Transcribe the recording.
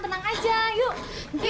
tenang aja yuk